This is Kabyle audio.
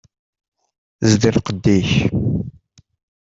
Zdi lqedd-ik!